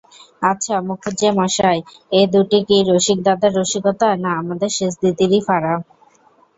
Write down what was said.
আচ্ছা মুখুজ্যেমশায়, এ দুটি কি রসিকদাদার রসিকতা, না আমাদের সেজদিদিরই ফাঁড়া?